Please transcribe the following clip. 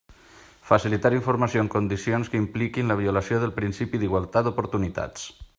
Facilitar informació en condicions que impliquin la violació del principi d'igualtat d'oportunitats.